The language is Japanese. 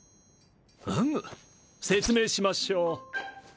うむ説明しましょう。